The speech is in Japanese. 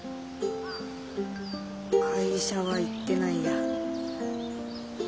会社は行ってないや。